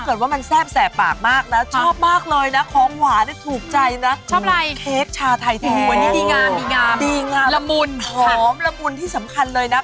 ดีงามละมุนพร้อมละมุนที่สำคัญเลยนะ